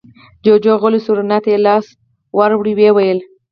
جوجُو غلی شو، رڼا ته يې لاس ور ووړ، ويې ويل: